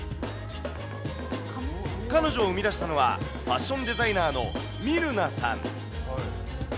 彼女を生み出したのは、ファッションデザイナーのミルナさん。